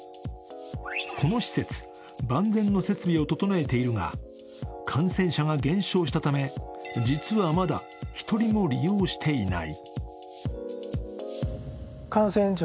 この施設、万全の設備を整えているが感染者が減少したため、実はまだ１人も利用していない。